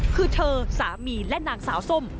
คือเธอสามีและนางสาวส้ม